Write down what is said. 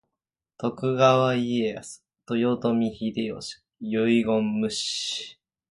徳川家康が豊臣秀吉の遺言を無視して動いているという情報が届き、「許せない！」と徳川家康への不信感を募らせる石田三成。